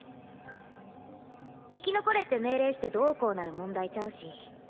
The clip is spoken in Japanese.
生き残れって命令してどうこうなる問題ちゃうし。